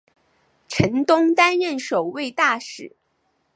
陈东担任首位大使。